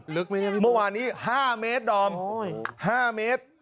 พี่เมื่อวานนี้๕เมตรดอม๕เมตร